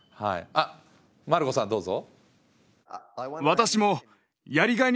あっマルコさんどうぞ。